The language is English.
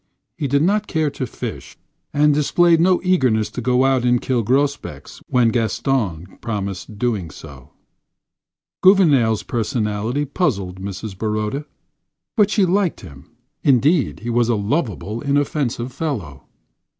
He did not care to fish, and displayed no eagerness to go out and kill grosbecs when Gaston proposed doing so. Gouvernail's personality puzzled Mrs. Baroda, but she liked him. Indeed, he was a lovable, inoffensive fellow.